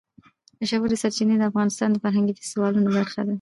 ژورې سرچینې د افغانستان د فرهنګي فستیوالونو برخه ده.